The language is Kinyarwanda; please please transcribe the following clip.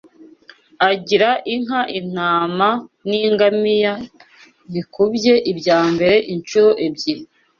agira inka intama n’ingamiya bikubye ibya mbere incuro ebyiri